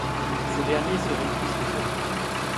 Ces derniers se replient sur Domfront.